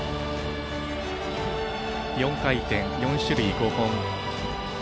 ４回転、４種類５本。